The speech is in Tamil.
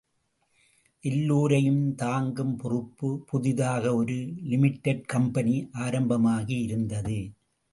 எல்லோரையும் தாங்கும் பொறுப்பு புதிதாக ஒரு லிமிடெட் கம்பெனி ஆரம்பமாகி இருந்தது.